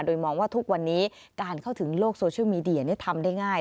โดยมองว่าทุกวันนี้การเข้าถึงโลกโซเชียลมีเดียทำได้ง่าย